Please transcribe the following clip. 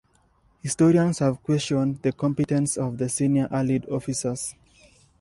Historians have questioned the competence of the senior Allied officers.